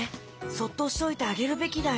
そっとしておいてあげるべきだよ。